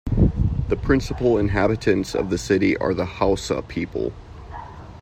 The principal inhabitants of the city are the Hausa people.